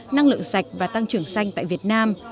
năng lượng sạch và tăng trưởng xanh tại việt nam